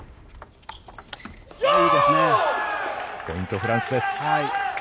ポイント、フランスです。